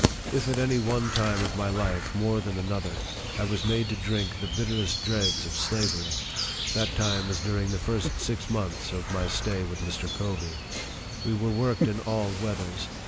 If at any one time of my life more than another, I was made to drink the bitterest dregs of slavery, that lime was during the first six months of my stay with Mr. Covey. We were worked in all weathers.